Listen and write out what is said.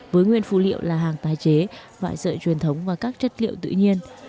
với nguyên phụ liệu là hàng tái chế loại sợi truyền thống và các chất liệu tự nhiên